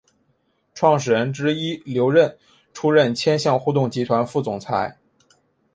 创始人之一刘韧出任千橡互动集团副总裁。